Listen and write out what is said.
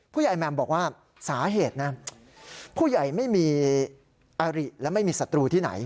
แม่มบอกว่าสาเหตุนะผู้ใหญ่ไม่มีอาริและไม่มีศัตรูที่ไหน